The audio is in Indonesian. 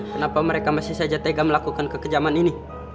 kenapa mereka masih saja tega melakukan kekejaman ini